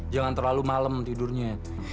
jangan terlalu malem tidurnya